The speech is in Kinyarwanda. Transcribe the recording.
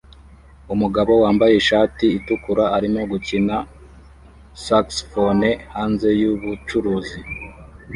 Umugabo wambaye ishati itukura arimo gukina saxofone hanze yubucuruzi